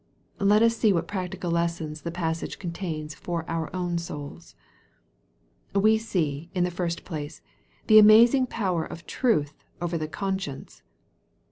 Let us see what prac tical lessons the passage contains for our own souls. We see, in the first place, the amazing power of truth over the conscience.